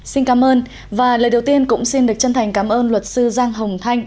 xin cảm ơn và lời đầu tiên cũng xin được chân thành cảm ơn luật sư giang hồng thanh